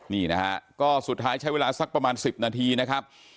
นี่นะฮะก็สุดท้ายใช้เวลาสักประมาณ๑๐นาทีนะครับ